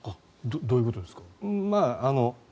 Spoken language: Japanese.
どういうことですか？